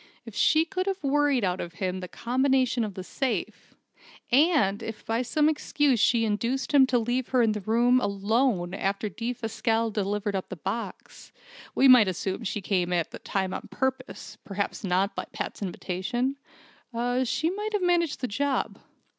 If she could have worried out of him the combination of the safe and if by some excuse she induced him to leave her in the room alone after Defasquelle delivered up the box (we might assume she came at that time on purpose, perhaps not by Pat's invitation) she might have managed the job.